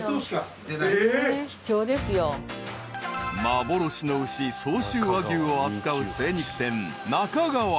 ［幻の牛相州和牛を扱う精肉店］